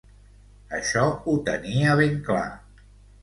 Això ho tenia ben clar.